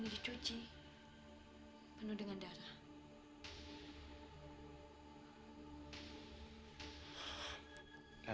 saat ada hal hal baru makamu akan antara ke cewek